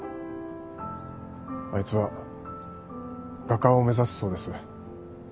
あいつは画家を目指すそうです。